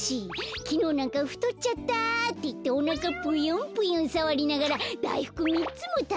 きのうなんか「ふとっちゃった」っていっておなかぷよんぷよんさわりながらだいふく３つもたべてたよ。